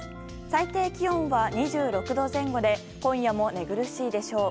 最低気温は２６度前後で今夜も寝苦しいでしょう。